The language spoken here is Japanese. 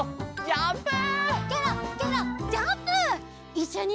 いっしょに。